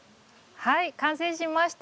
はい完成しました。